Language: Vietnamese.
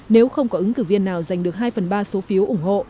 nếu không có ứng cử viên nào giành được hai phần ba số phiếu ủng hộ